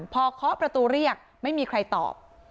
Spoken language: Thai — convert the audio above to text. พอเคาะประตูเรียกไม่มีใครตอบ